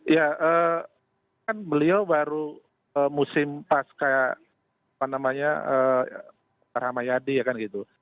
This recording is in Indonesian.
ya kan beliau baru musim pas kayak apa namanya ramayadi ya kan gitu